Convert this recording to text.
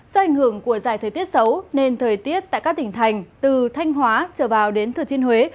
do ảnh hưởng của dài thời tiết xấu nên thời tiết tại các tỉnh thành từ thanh hóa trở vào đến thừa thiên huế